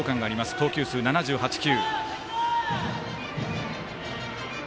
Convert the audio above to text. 投球数７８球。